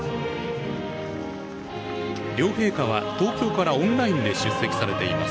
両陛下は東京からオンラインで出席されています。